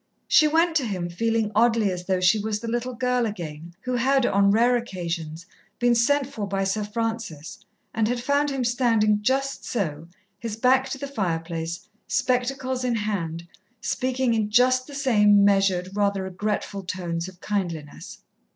She went to him feeling oddly as though she was the little girl again, who had, on rare occasions, been sent for by Sir Francis, and had found him standing just so, his back to the fireplace, spectacles in hand, speaking in just the same measured, rather regretful tones of kindliness.